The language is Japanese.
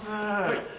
はい。